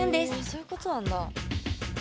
そういうことなんだ。